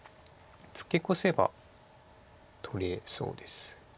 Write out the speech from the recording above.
ツケコせば取れそうです。